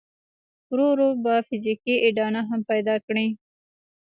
ورو ورو به فزيکي اډانه هم پيدا کړي.